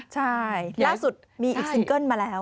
ใช่ล่าสุดมีอีกซิงเกิ้ลมาแล้ว